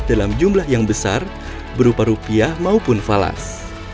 dalam jumlah yang besar berupa rupiah maupun falas